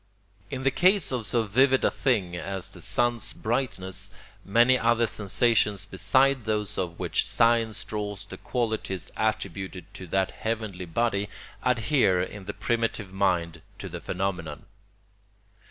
] In the case of so vivid a thing as the sun's brightness many other sensations beside those out of which science draws the qualities attributed to that heavenly body adhere in the primitive mind to the phenomenon.